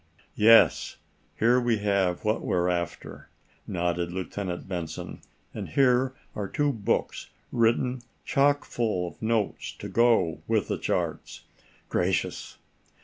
"Yes. Here we have what we're after," nodded Lieutenant Benson. "And here are two books written chock full of notes to go with the charts. Gracious!